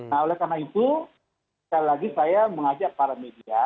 nah oleh karena itu sekali lagi saya mengajak para media